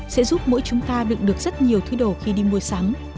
sẽ giúp mỗi chúng ta đựng được rất nhiều thứ đồ khi đi mua sắm